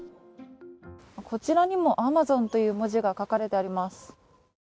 こちらにも「ＡＭＡＺＯＮ」という文字が書かれています。